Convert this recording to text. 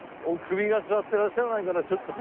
首が据わってらっしゃらないからちょっと。